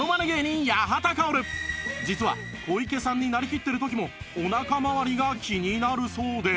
実は小池さんになりきっている時もおなかまわりが気になるそうで